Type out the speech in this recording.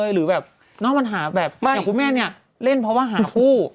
หรือแบบน่อมันหาแบบที่คุณแม่นี้เล่นเพราะว่าหาคู่